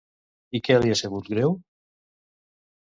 I què li ha sabut greu?